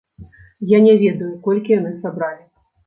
Я не ведаю, колькі яны сабралі.